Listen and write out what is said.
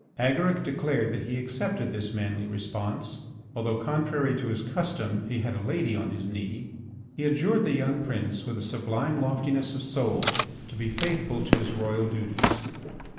Agaric declared that he accepted this manly response. Although, contrary to his custom, he had a lady on his knee, he adjured the young prince, with a sublime loftiness of soul, to be faithful to his royal duties.